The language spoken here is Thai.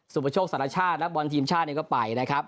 สุพชกสำรรคชาตินักบอลทีมชาติด้วยไป